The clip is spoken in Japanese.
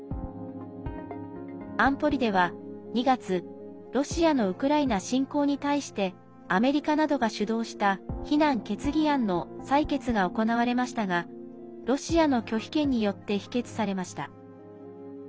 安保理では２月ロシアのウクライナ侵攻に対してアメリカなどが主導した非難決議案の採決が行われましたがロシアの拒否権によって否決されました。